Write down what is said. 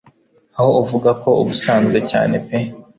aho uvuga ko ubusanzwe cyane pe